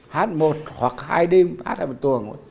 hát một hoặc hai đêm hát hai đêm tuồng